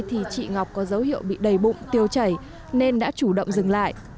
thì chị ngọc có dấu hiệu bị đầy bụng tiêu chảy nên đã chủ động dừng lại